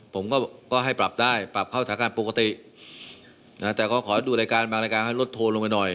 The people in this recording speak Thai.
ผมก็ให้ปรับได้ปรับเข้าสถานการณ์ปกตินะแต่ก็ขอดูรายการบางรายการให้ลดโทนลงไปหน่อย